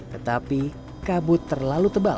tetapi kabut terlalu tebal